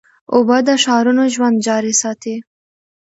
اوبه د ښارونو ژوند جاري ساتي.